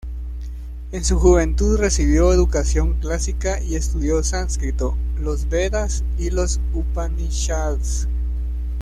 En su juventud, recibió educación clásica y estudió sánscrito, los Vedas y los Upanishads.